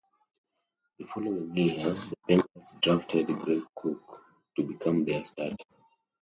The following year, the Bengals drafted Greg Cook to become their starter.